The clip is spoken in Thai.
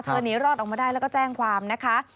หนีรอดออกมาได้แล้วก็แจ้งความนะคะ